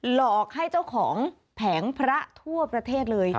หลอกให้เจ้าของแผงพระทั่วประเทศเลย